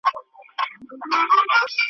خر بارونو ته پیدا خرکار ترڅنګ وي ,